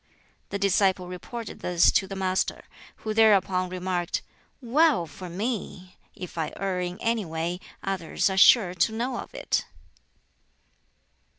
The disciple reported this to the Master, who thereupon remarked, "Well for me! If I err in any way, others are sure to know of it."